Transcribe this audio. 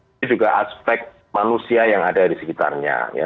ini juga aspek manusia yang ada di sekitarnya